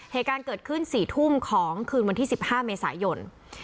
เหตุการณ์เกิดขึ้น๔ทุ่มของคืนวันที่๑๕เมษายน